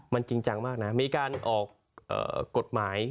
มันจริงจังมากนะมีการออกกฎหมาย